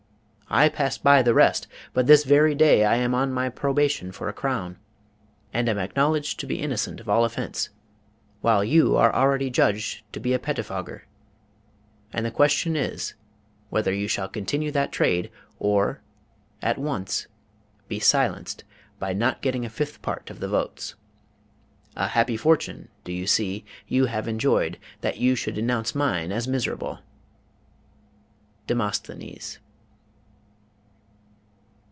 I pass by the rest; but this very day I am on my probation for a crown, and am acknowledged to be innocent of all offence; while you are already judged to be a pettifogger, and the question is, whether you shall continue that trade, or at once be silenced by not getting a fifth part of the votes. A happy fortune, do you see, you have enjoyed, that you should denounce mine as miserable! DEMOSTHENES.